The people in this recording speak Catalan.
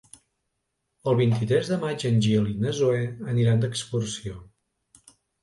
El vint-i-tres de maig en Gil i na Zoè aniran d'excursió.